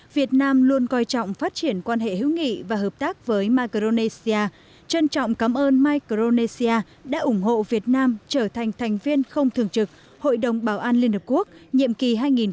việt nam luôn coi trọng phát triển quan hệ hữu nghị và hợp tác với micronesia trân trọng cảm ơn micronesia đã ủng hộ việt nam trở thành thành viên không thường trực hội đồng bảo an liên hợp quốc nhiệm kỳ hai nghìn tám hai nghìn chín